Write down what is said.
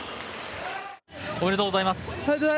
ありがとうございます。